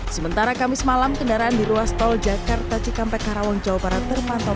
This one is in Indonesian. sementara kamis malam kendaraan di ruas tol jakarta cikampek karawang jawa barat terpantau